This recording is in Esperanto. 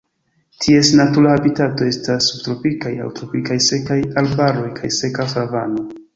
Ties natura habitato estas subtropikaj aŭ tropikaj sekaj arbaroj kaj seka savano.